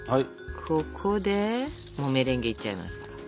ここでもうメレンゲいっちゃいますから。